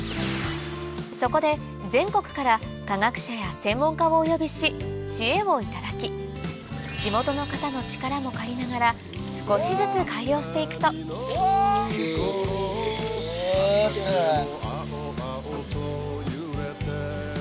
そこで全国から科学者や専門家をお呼びし知恵を頂き地元の方の力も借りながら少しずつ改良して行くとうっす。